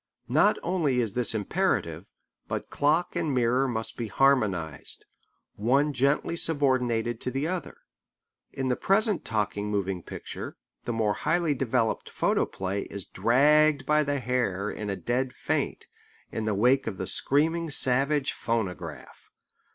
Not only is this imperative, but clock and mirror must be harmonized, one gently subordinated to the other. Both cannot rule. In the present talking moving picture the more highly developed photoplay is dragged by the hair in a dead faint, in the wake of the screaming savage phonograph.